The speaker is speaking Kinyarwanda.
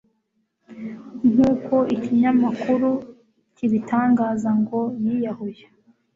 nk'uko ikinyamakuru kibitangaza ngo yiyahuye